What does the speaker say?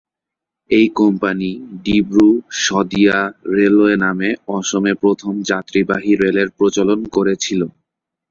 এই company Dibru-Sadiya railway নামে অসমে প্রথম যাত্রীবাহী রেলের প্রচলন করেছিল।